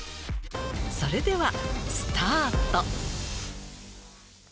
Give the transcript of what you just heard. それではスタート。